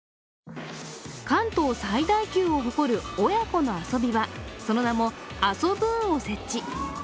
関東最大級を誇る親子の遊び場その名もＡＳＯＢｏｏＮを設置。